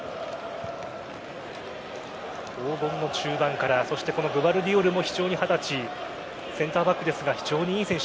黄金の中盤からそしてグヴァルディオルも二十歳センターバックですが非常に良い選手。